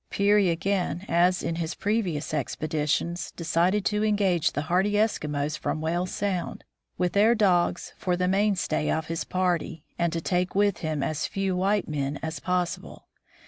Peary again, as in his previous expeditions, decided to engage the hardy Eskimos from Whale Sound, with their dogs, for the mainstay of his party, and to take with him as few white men as possible.